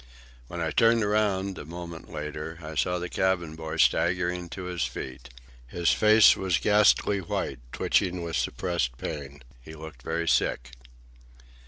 When I turned around, a moment later, I saw the cabin boy staggering to his feet. His face was ghastly white, twitching with suppressed pain. He looked very sick.